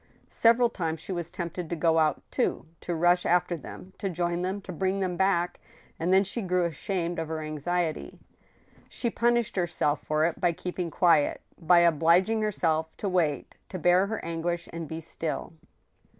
Several times she was tempted to go out, too, to rush after them, to join them, to bring them back ; and then she grew ashamed of her anxiety. She punished herself for it by keeping quiet, by obliging herself to wait, to bear her anguish and be still.